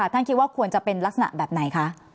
ท่านคิดว่าควรจะเป็นลักษณะแบบไหนคะ